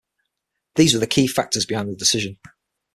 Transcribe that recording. These were the key factors behind the decision.